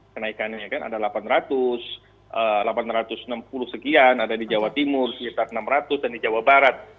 kenaikannya kan ada delapan ratus delapan ratus enam puluh sekian ada di jawa timur sekitar enam ratus dan di jawa barat